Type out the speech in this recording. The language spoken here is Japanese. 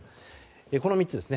この３つですね。